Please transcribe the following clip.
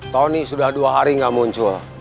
tony sudah dua hari gak muncul